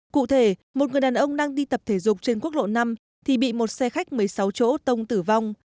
cụ thể một người đàn ông đang đi tập thể dục trên quốc lộ năm thì bị một xe khách một mươi sáu chỗ tông tử vong